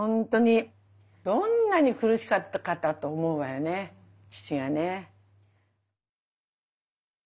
どんなに苦しかったかと思うわよね父がね。